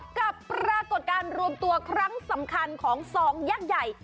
กับปรากฏการณ์รวมตัวครั้งสำคัญของสองยักษ์ใหญ่